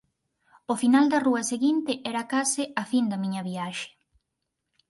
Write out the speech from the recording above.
O final da rúa seguinte era case a fin da miña viaxe.